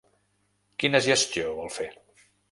Quina gestió vol fer?